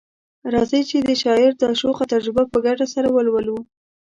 راځئ چي د شاعر دا شوخه تجربه په ګډه سره ولولو